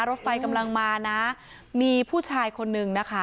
รถไฟกำลังมานะมีผู้ชายคนนึงนะคะ